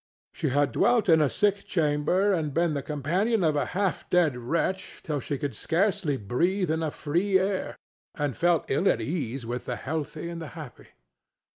She had dwelt in a sick chamber and been the companion of a half dead wretch till she could scarcely breathe in a free air and felt ill at ease with the healthy and the happy.